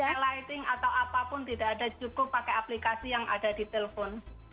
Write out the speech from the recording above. saya lighting atau apapun tidak ada cukup pakai aplikasi yang ada di telpon